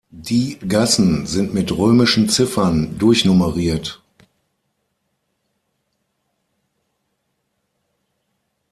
Die Gassen sind mit römischen Ziffern durchnummeriert.